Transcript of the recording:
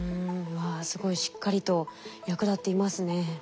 わあすごいしっかりと役立っていますね。